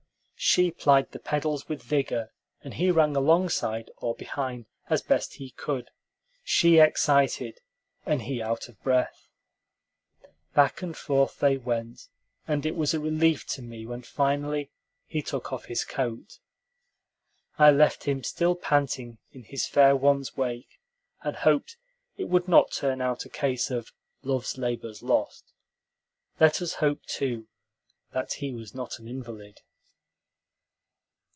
She plied the pedals with vigor, and he ran alongside or behind, as best he could; she excited, and he out of breath. Back and forth they went, and it was a relief to me when finally he took off his coat. I left him still panting in his fair one's wake, and hoped it would not turn out a case of "love's labor's lost." Let us hope, too, that he was not an invalid.